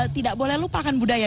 tidak boleh lupakan budaya